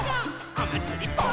おまつりぽん！